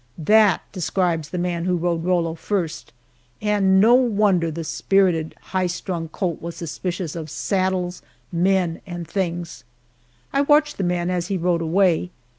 That describes the man who rode Rollo first and no wonder the spirited, high strung colt was suspicious of saddles, men, and things. I watched the man as he rode away.